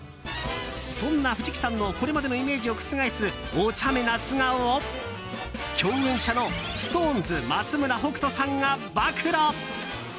そんな藤木さんのこれまでのイメージを覆すおちゃめな素顔を、共演者のＳｉｘＴＯＮＥＳ松村北斗さんが暴露！